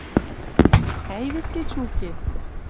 Ӓй вес кечӹ уке?